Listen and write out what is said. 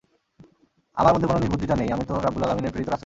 আমার মধ্যে কোন নির্বুদ্ধিতা নেই, আমি তো রাব্বুল আলামীনের প্রেরিত রাসূল।